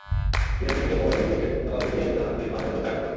বিনা টিকিটে ভ্রমণের অভিযোগে জামালপুর জিআরপি থানার পুলিশ মাজহারুল হককে আটক করে।